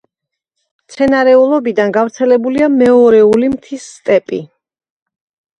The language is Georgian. მცენარეულობიდან გავრცელებულია მეორეული მთის სტეპი.